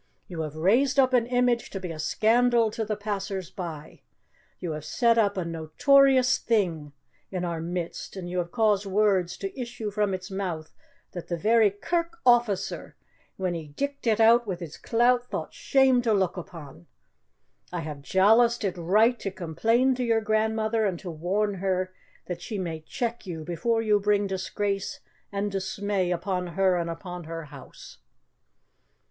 You have raised up an image to be a scandal to the passers by. You have set up a notorious thing in our midst, and you have caused words to issue from its mouth that the very kirk officer, when he dichted it out wi' his clout, thought shame to look upon. I have jaloused it right to complain to your grandmother and to warn her, that she may check you before you bring disgrace and dismay upon her and upon her house."